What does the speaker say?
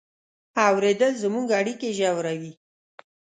اورېدل زموږ اړیکې ژوروي.